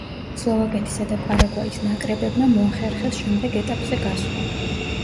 სლოვაკეთისა და პარაგვაის ნაკრებებმა მოახერხეს შემდეგ ეტაპზე გასვლა.